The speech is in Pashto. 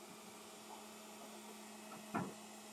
عبدالرحمن او مولوي عبدالرب ولیدل.